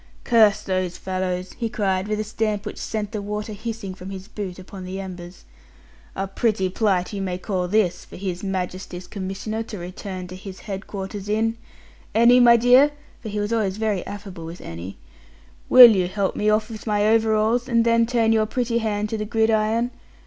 'Curse those fellows!' he cried, with a stamp which sent the water hissing from his boot upon the embers; 'a pretty plight you may call this, for His Majesty's Commissioner to return to his headquarters in! Annie, my dear,' for he was always very affable with Annie, 'will you help me off with my overalls, and then turn your pretty hand to the gridiron?